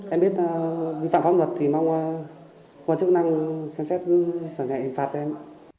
em biết là vi phạm pháp luật thì mong quân chức năng xem xét và ngại hình phạt cho em ạ